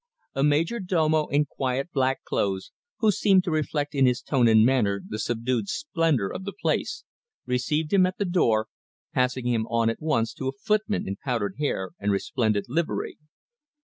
A major domo in quiet black clothes, who seemed to reflect in his tone and manner the subdued splendour of the place, received him at the door, passing him on at once to a footman in powdered hair and resplendent livery.